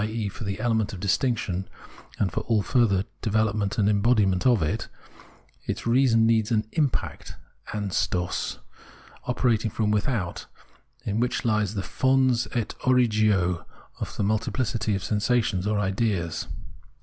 e. for the element of distinction and all the further development and embodiment of it, its reason needs an impact {Anstoss) operating from without, in which lies the fons ei origo of the multiplicity of sensations or ideas.